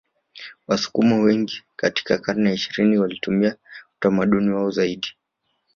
Wasukuma wengi katika karne ya ishirini walitumia utamaduni wao zaidi